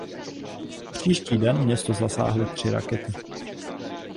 Příští den město zasáhly tři rakety.